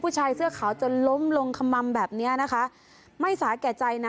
ผู้ชายเสื้อขาวจนล้มลงขม่ำแบบเนี้ยนะคะไม่สาแก่ใจนะ